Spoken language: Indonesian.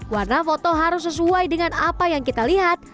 warna foto harus sesuai dengan apa yang kita lihat